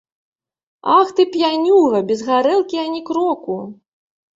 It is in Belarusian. Ах ты, п'янюга, без гарэлкі ані кроку.